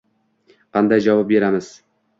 Qanday javob beramiz?